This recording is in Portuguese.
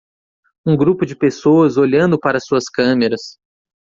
um grupo de pessoas olhando para suas câmeras